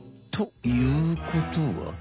ということは。